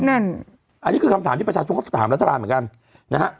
นั่นอันนี้คือคำถามที่ประชาชนเขาจะถามรัฐบาลเหมือนกันนะฮะ